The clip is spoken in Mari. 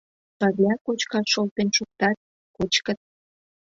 Пырля кочкаш шолтен шуктат, кочкыт.